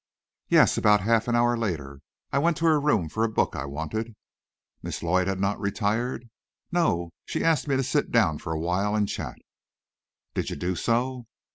"Yes; about half an hour later, I went to her room for a book I wanted." "Miss Lloyd had not retired?" "No; she asked me to sit down for awhile and chat." "Did you do so?"